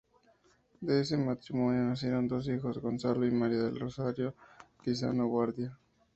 De este matrimonio nacieron dos hijos, Gonzalo y María del Rosario Lizano Guardia.